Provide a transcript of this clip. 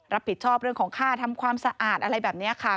รับผิดชอบเรื่องของค่าทำความสะอาดอะไรแบบนี้ค่ะ